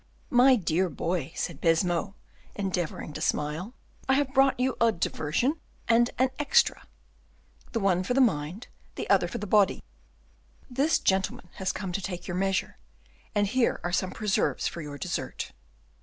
"My dear boy," said Baisemeaux, endeavoring to smile, "I have brought you a diversion and an extra, the one for the mind, the other for the body; this gentleman has come to take your measure, and here are some preserves for your dessert."